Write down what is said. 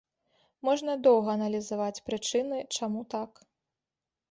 Можна доўга аналізаваць прычыны, чаму так.